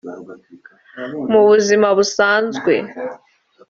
Mubuzima busanzwe